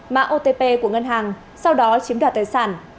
mã otp của ngân hàng sau đó chiếm đoạt tài sản